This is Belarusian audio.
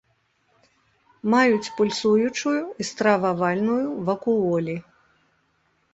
Маюць пульсуючую і стрававальную вакуолі.